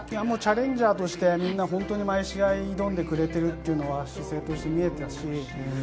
チャレンジャーとしてみんな、毎試合、挑んでくれているというのは姿勢として見えました。